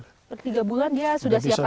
per tiga bulan dia sudah siap panen